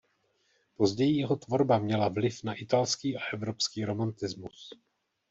Později jeho tvorba měla vliv na italský a evropský romantismus.